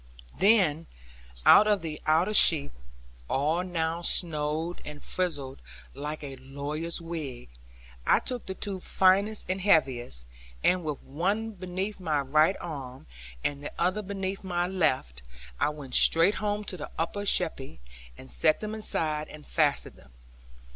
Then of the outer sheep (all now snowed and frizzled like a lawyer's wig) I took the two finest and heaviest, and with one beneath my right arm, and the other beneath my left, I went straight home to the upper sheppey, and set them inside and fastened them.